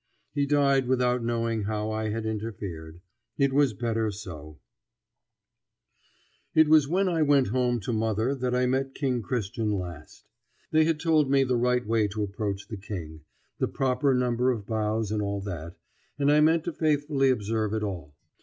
He died without knowing how I had interfered. It was better so. [Illustration: King Christian as I saw him last.] It was when I went home to mother that I met King Christian last. They had told me the right way to approach the King, the proper number of bows and all that, and I meant to faithfully observe it all.